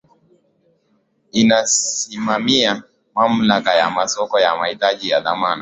inasimamia mamlaka ya masoko ya mitaji na dhamana